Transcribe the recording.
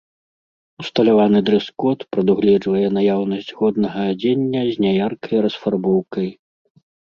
Усталяваны дрэс-код прадугледжвае наяўнасць годнага адзення з няяркай расфарбоўкай.